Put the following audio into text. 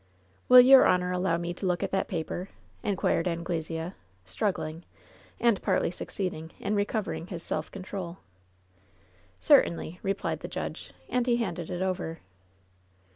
^Will your honor allow me to look at that paper?" inquired Anglesea, struggling, and partly succeeding, in recovering his self control. "Certainly," replied the judge, and he handed it over.